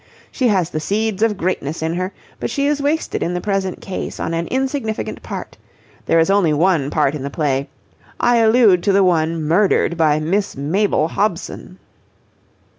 She has the seeds of greatness in her, but she is wasted in the present case on an insignificant part. There is only one part in the play. I allude to the one murdered by Miss Mabel Hobson."